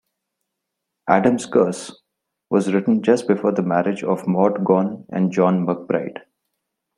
"Adam's Curse" was written just before the marriage of Maud Gonne and John MacBride.